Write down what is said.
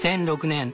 ２００６年。